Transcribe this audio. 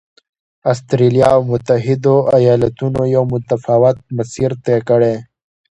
اسټرالیا او متحدو ایالتونو یو متفاوت مسیر طی کړ.